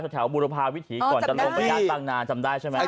สักแถวบุรพาณภาพวิถีก่อนจัดลงไม่อยากตั้งนานจำได้ใช่ไหม